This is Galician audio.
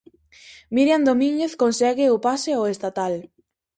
Miriam Domínguez consegue o pase ao estatal.